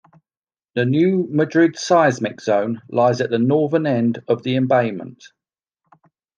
The New Madrid Seismic Zone lies at the northern end of the embayment.